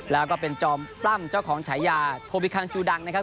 แล้วก็เป็นจอมปล้ำเจ้าของฉายาโคบิคังจูดังนะครับ